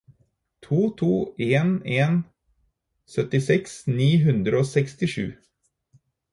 to to en en syttiseks ni hundre og sekstisju